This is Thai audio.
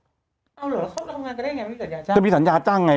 เอาเหรอเข้าทำงานกันได้ไงไม่มีสัญญาจ้างจะมีสัญญาจ้างไง